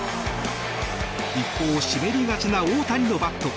一方、湿りがちな大谷のバット。